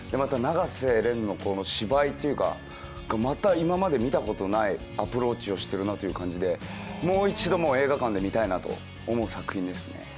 永瀬廉の芝居というかまた今まで見たことないアプローチをしてるなという感じでもう一度、映画館で見たいなと思う作品です。